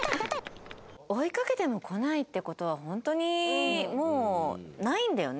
追いかけてもこないって事はホントにもうないんだよね